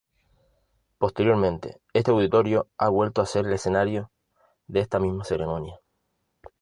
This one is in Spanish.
Posteriormente, este auditorio ha vuelto a ser el escenario de esta misma ceremonia.